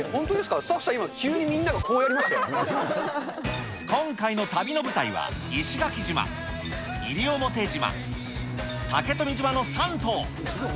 スタッフさん、今回の旅の舞台は石垣島、西表島、竹富島の３島。